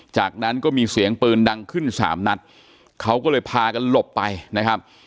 จากนั้นก็มีเสียงปืนดังขึ้นสามนัดเขาก็เลยพากันหลบไปนะครับ